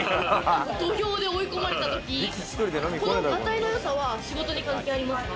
土俵で追い込まれたとき、このがたいの良さは仕事に関係ありますか？